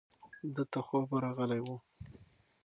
ده ته خوب ورغلی و.